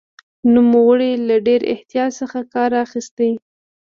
نوموړي له ډېر احتیاط څخه کار اخیست.